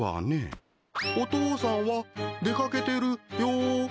お父さんは出掛けてるよ。